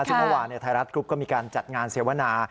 ซึ่งเมื่อวานไทยรัฐกรุ๊ปก็มีการจัดงานเสวนา